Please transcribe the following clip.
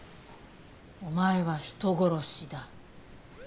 「お前は人殺しだ」